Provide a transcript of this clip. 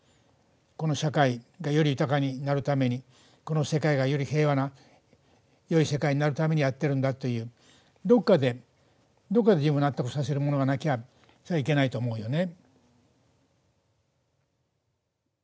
この社会がより豊かになるためにこの世界が、より平和なよい世界になるためにやってるんだというどっかで自分を納得させるものがなきゃいけないと思うよね。